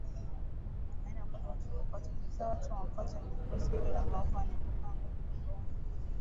ainakwanza watoto mapacha Ukizaa watoto mapacha ni mkosi hivyo lazima ufanye bhukango kuondoa